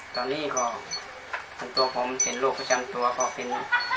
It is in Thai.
ตอนนี้ก็ส่วนตัวผมเป็นโรคประจำตัวก็เป็น